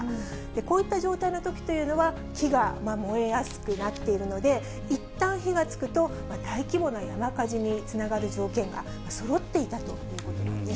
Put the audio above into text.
こういった状態のときというのは、木が燃えやすくなっているので、いったん火がつくと、大規模な山火事につながる条件がそろっていたということなんです。